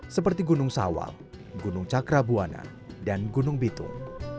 seperti gunung sawal gunung cakrabuana dan gunung bitung